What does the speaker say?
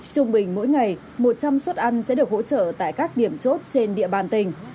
trung bình mỗi ngày một trăm linh suất ăn sẽ được hỗ trợ tại các điểm chốt trên địa bàn tỉnh